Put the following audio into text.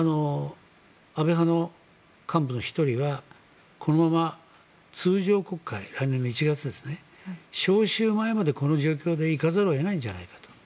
安倍派の幹部の１人はこのまま通常国会来年の１月ですね召集前までこの状況で行かざるを得ないんじゃないかと。